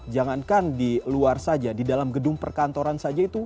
jangankan di luar saja di dalam gedung perkantoran saja itu